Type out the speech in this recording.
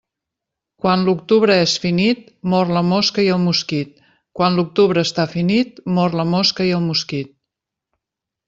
Quan l'octubre és finit, mor la mosca i el mosquit Quan l'octubre està finit, mor la mosca i el mosquit.